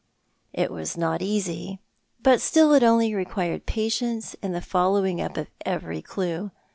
" It was not easy— but still it only required patience and the following up of every clue.